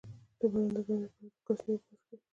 د بدن د ګرمۍ لپاره د کاسني اوبه وڅښئ